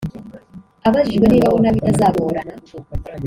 Abajijwe niba abona bitazagorana